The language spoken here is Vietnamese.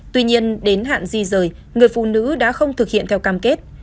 tuy nhiên đến hạn di rời người phụ nữ đã không thực hiện theo cam kết